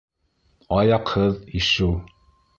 Аяҡһыҙ, ишеү.